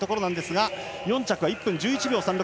４着、１分１１秒３６